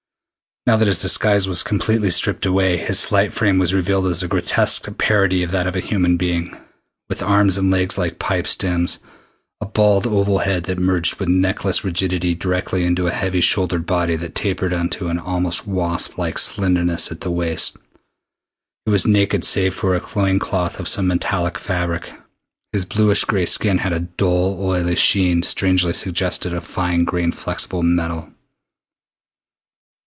Now that his disguise was completely stripped away, his slight frame was revealed as a grotesque parody of that of a human being, with arms and legs like pipe stems, a bald oval head that merged with neckless rigidity directly into a heavy shouldered body that tapered into an almost wasp like slenderness at the waist. He was naked save for a loin cloth of some metallic fabric. His bluish gray skin had a dull oily sheen strangely suggestive of fine grained flexible metal.